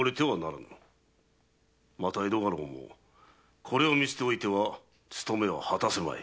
また江戸家老もこれを見捨ておいては務めは果たせまい。